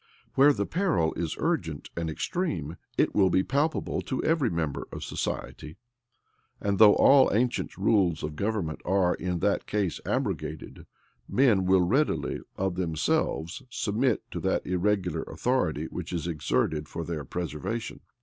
Where the peril is urgent and extreme, it will be palpable to every member of the society; and though all ancient rules of government are in that case abrogated, men will readily, of themselves, submit to that irregular authority which is exerted for their preservation.